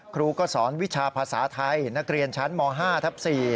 ครูก็สอนวิชาภาษาไทยนักเรียนชั้นม๕ทับ๔